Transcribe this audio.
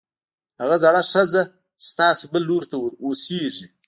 هغه زړه ښځه چې ستاسو بل لور ته اوسېږي